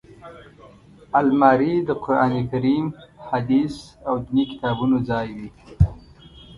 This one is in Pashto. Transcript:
الماري د قران کریم، حدیث او ديني کتابونو ځای وي